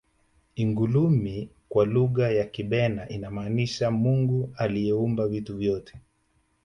ingulumi kwa lugha ya kibena inamaanisha mungu aliyeumba vitu vyote